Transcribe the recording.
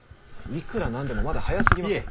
いくらなんでもまだ早すぎます。